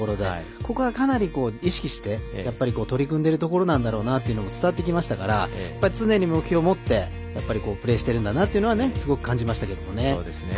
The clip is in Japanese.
ここはかなり意識して取り組んでるところなんだろうなというところも伝わってきましたから常に目標を持ってプレーしているんだなというのはすごく感じましたね。